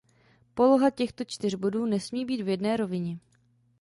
Poloha těchto čtyř bodů nesmí být v jedné rovině.